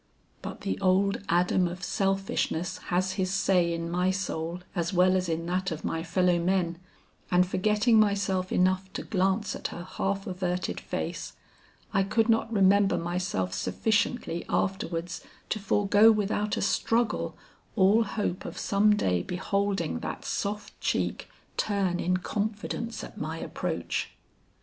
But the old Adam of selfishness has his say in my soul as well as in that of my fellow men, and forgetting myself enough to glance at her half averted face, I could not remember myself sufficiently afterwards to forego without a struggle, all hope of some day beholding that soft cheek turn in confidence at my approach.